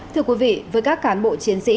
thưa quý vị với các cán bộ chiến sĩ